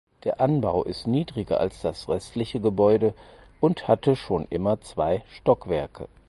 Der Anbau ist niedriger als das restliche Gebäude und hatte schon immer zwei Stockwerke.